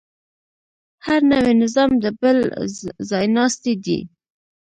هر نوی نظام د بل ځایناستی دی.